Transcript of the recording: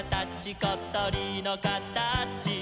ことりのかたち」